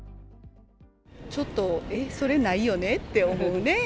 ちょっと、えっ、それはないよねって思うね。